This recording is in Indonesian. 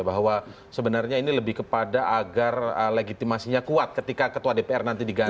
bahwa sebenarnya ini lebih kepada agar legitimasinya kuat ketika ketua dpr nanti diganti